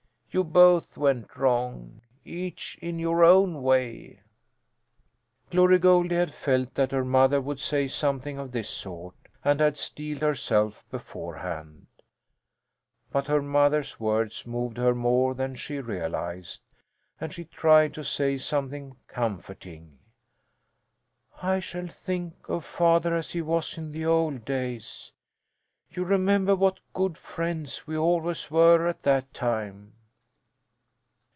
You both went wrong, each in your own way." Glory Goldie had felt that her mother would say something of this sort, and had steeled herself beforehand. But her mother's words moved her more than she realized, and she tried to say something comforting. "I shall think of father as he was in the old days. You remember what good friends we always were at that time."